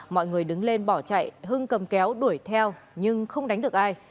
mọi người đứng lên bỏ chạy hưng cầm kéo đuổi theo nhưng không đánh được ai